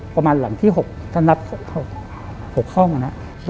ประมาณหลังที่๖ถ้านับ๖ห้องนะครับ